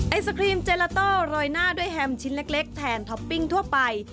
ไอศครีมเจลาโต้โรยหน้าด้วยแฮมชิ้นเล็กแทนท็อปปิ้งทั่วไป